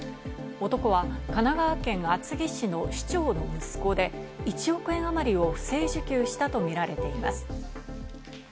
男は神奈川県厚木市の市長の息子で、１億円あまりを不正受給したとみられています。